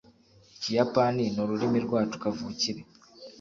ikiyapani ni ururimi rwacu kavukire